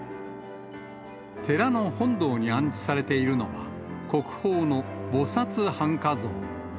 寺の本堂に安置されているのは、国宝の菩薩半跏像。